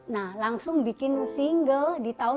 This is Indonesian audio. nah langsung bikin single di tahun dua ribu dua puluh satu